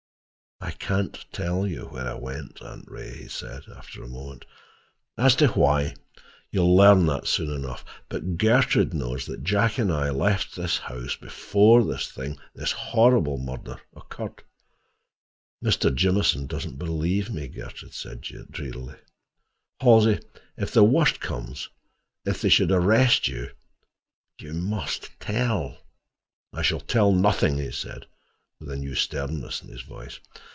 "I can't tell you where I went, Aunt Ray," he said, after a moment. "As to why, you will learn that soon enough. But Gertrude knows that Jack and I left the house before this thing—this horrible murder—occurred." "Mr. Jamieson does not believe me," Gertrude said drearily. "Halsey, if the worst comes, if they should arrest you, you must—tell." "I shall tell nothing," he said with a new sternness in his voice.